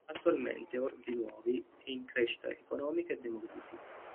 Attualmente, Orzinuovi è in crescita economica e demografica.